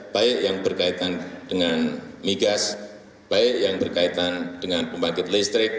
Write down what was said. baik yang berkaitan dengan migas baik yang berkaitan dengan pembangkit listrik